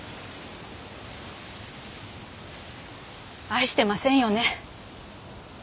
愛してませんよね。